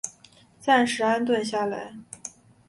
暂时安顿下来